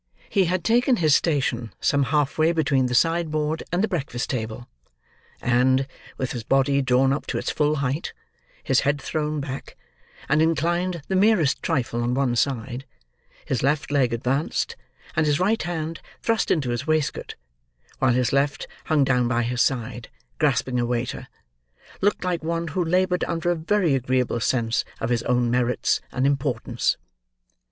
He had taken his station some half way between the side board and the breakfast table; and, with his body drawn up to its full height, his head thrown back, and inclined the merest trifle on one side, his left leg advanced, and his right hand thrust into his waist coat, while his left hung down by his side, grasping a waiter, looked like one who laboured under a very agreeable sense of his own merits and importance.